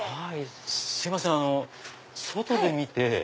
すいません外で見て。